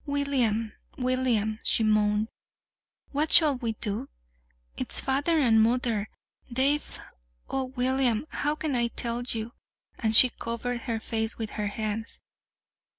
"William, William," she moaned, "what shall we do? It's father and mother; they've oh, William, how can I tell you!" and she covered her face with her hands.